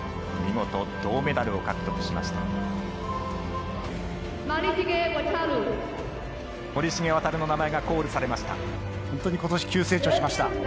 見事、銅メダルを獲得しました。